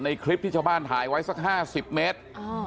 คลิปที่ชาวบ้านถ่ายไว้สัก๕๐เมตร